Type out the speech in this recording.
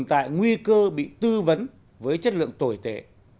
tại nguy cơ bị tư vấn với chất lượng tồi tệ